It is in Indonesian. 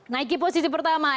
nike posisi pertama